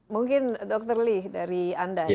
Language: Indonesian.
mungkin dr lee dari anda ya